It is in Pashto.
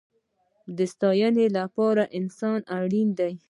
د ساتنې لپاره انسان اړین دی